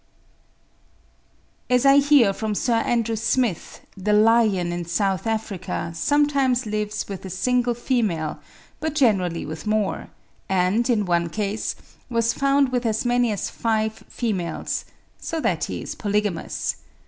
As I hear from Sir Andrew Smith, the lion in South Africa sometimes lives with a single female, but generally with more, and, in one case, was found with as many as five females; so that he is polygamous.